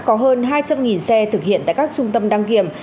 có hơn hai trăm linh xe thực hiện tại các trung tâm đăng kiểm